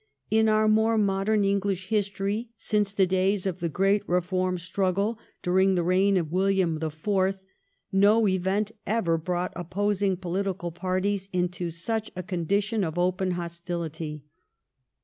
In our more modern English history, since the days of the great Eeform struggle during the reign of William the Fourth, no event ever brought opposing political parties into such a condition of open hostility.